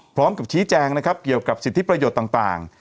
พร้อมกับชี้แจงนะครับเกี่ยวกับสิทธิประโยชน์ต่าง